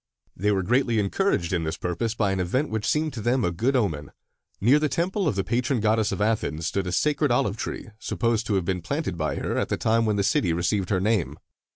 They were greatly encouraged in this purpose by an event which seemed to them a good omen. Near the temple of the patron goddess of Athens stood a sacred olive tree, supposed to have been created by her at the time when the city received her name.